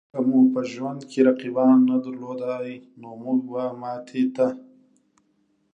که مو په ژوند کې رقیبان نه درلودای؛ نو مونږ به ماتې ته